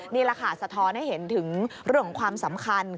นี่แหละค่ะสะท้อนให้เห็นถึงเรื่องของความสำคัญ